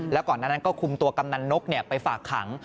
แล้วก่อนนั้นก็คุมตัวกำนันนกไปฝากขัง